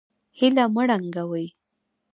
هیله مه ړنګوئ